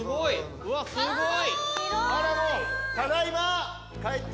うわすごい。